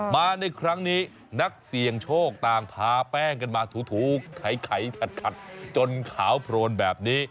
ในครั้งนี้นักเสี่ยงโชคต่างพาแป้งกันมาถูไขขัดจนขาวโพรนแบบนี้